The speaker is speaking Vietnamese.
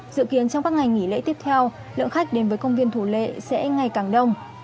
dự kiến trong các ngày nghỉ lễ tiếp theo lượng khách đến với công viên thủ lệ sẽ ngày càng đông